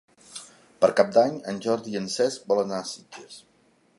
Per Cap d'Any en Jordi i en Cesc volen anar a Sitges.